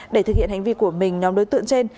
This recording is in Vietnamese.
để thực hiện hành vi của mình nhóm đối tượng trên